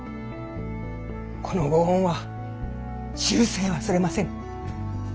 この御恩は終生忘れませぬ！